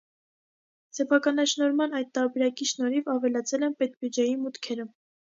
Սեփականաշնորհման այդ տարբերակի շնորհիվ ավելացել են պետբյուջեի մուտքերը։